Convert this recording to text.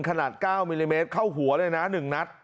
ขนาด๙มิลลิเมตรเข้าหัวเลยนะ๑นัด